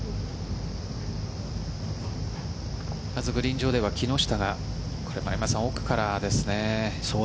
グリーン上では木下が奥からです。